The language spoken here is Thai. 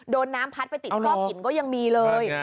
โดนน้ำพัดไปติดซอกหินก็ยังมีเลย